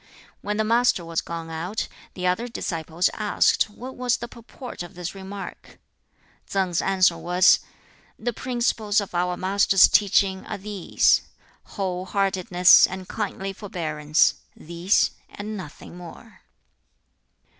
When the Master was gone out the other disciples asked what was the purport of this remark. Tsang's answer was, "The principles of our Master's teaching are these whole heartedness and kindly forbearance; these and nothing more."